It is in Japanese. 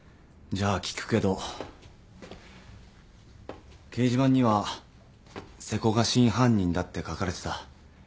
じゃあ聞くけど掲示板には「瀬古が真犯人だ」って書かれてた。